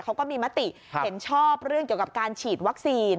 เขาก็มีมติเห็นชอบเรื่องเกี่ยวกับการฉีดวัคซีน